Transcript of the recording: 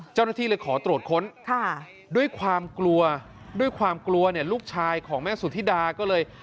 เจ้าหน้าที่เลยขอตรวจค้นด้วยความกลัวด้วยความกลัวเนี่ยลูกชายของแม่สุธิดาก็เลย